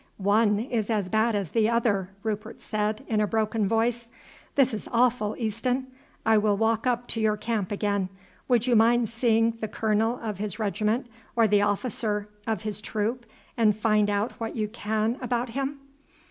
"One is as bad as the other," Rupert said in a broken voice. "This is awful, Easton. I will walk up to your camp again. Would you mind seeing the colonel of his regiment or the officer of his troop, and find out what you can about him?"